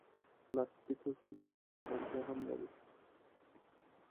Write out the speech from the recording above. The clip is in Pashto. پلاستيکي توکي انسان ته اسانتیا هم لري.